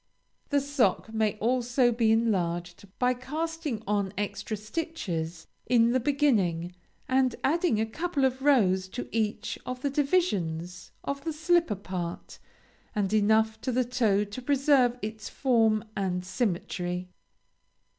The sock may also be enlarged by casting on extra stitches in the beginning, and adding a couple of rows to each of the divisions of the slipper part, and enough to the toe to preserve its form and symmetry.